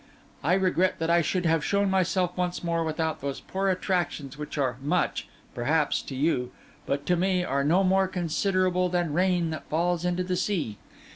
I regret that I should have shown myself once more without those poor attractions which are much, perhaps, to you, but to me are no more considerable than rain that falls into the sea.